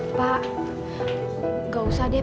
wih bapak mau beliin kamu sepatu ya